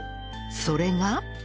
それが